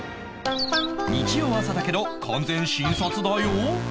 日曜朝だけど完全新撮だよ